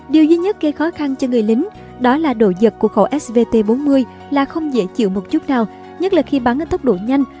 điều duy nhất gây khó khăn cho người lính đó là độ giật của khẩu svt bốn mươi là không dễ chịu một chút nào nhất là khi bắn ở tốc độ nhanh